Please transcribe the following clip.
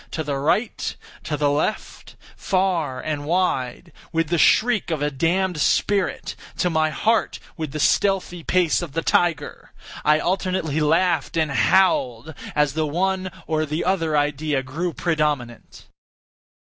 To the right—to the left—far and wide—with the shriek of a damned spirit! to my heart with the stealthy pace of the tiger! I alternately laughed and howled as the one or the other idea grew predominant.